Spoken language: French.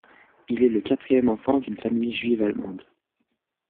Il est le quatrième enfant d'une famille juive allemande.